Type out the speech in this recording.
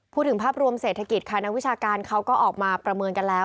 พูดถึงภาพรวมเศรษฐกิจค่ะนักวิชาการเขาก็ออกมาประเมินกันแล้ว